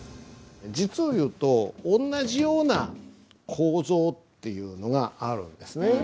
実を言うと同じような構造っていうのがあるんですね。